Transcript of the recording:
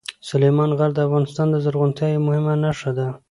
سلیمان غر د افغانستان د زرغونتیا یوه مهمه نښه ده.